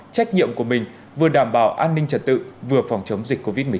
trách nhiệm của mình vừa đảm bảo an ninh trật tự vừa phòng chống dịch covid một mươi chín